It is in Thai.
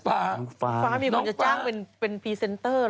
อัลฟรามีคนจะจ้างเป็นพรีเซนเตอร์อะไร